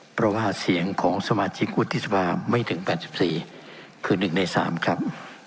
เพราะว่าเสียงของสมาชิกวุฒิสภาไม่ถึง๘๔คือ๑ใน๓ครับ